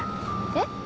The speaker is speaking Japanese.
えっ？